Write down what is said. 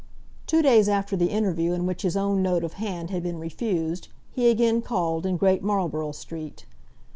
Two days after the interview in which his own note of hand had been refused, he again called in Great Marlborough Street.